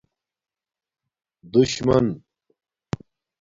دُشمَن